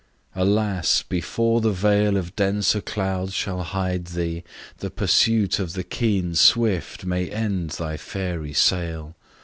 Alas! before the veil Of denser clouds shall hide thee, the pursuit Of the keen Swift may end thy fairy sail!